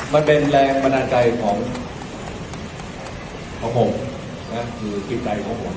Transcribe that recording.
มันเป็นแรงบันดาลใจของผมนะคือจิตใจของผม